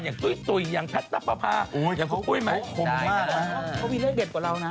อย่างตุ๊ยอย่างแพทย์ณประพา